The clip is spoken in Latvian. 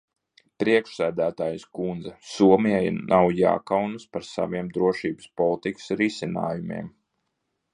Priekšsēdētājas kundze, Somijai nav jākaunas par saviem drošības politikas risinājumiem.